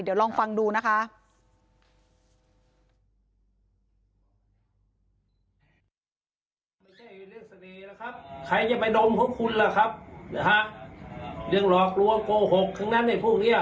เดี๋ยวลองฟังดูนะคะ